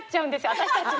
私たちも。